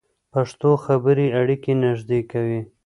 پښتو خبرې اړیکې نږدې کوي.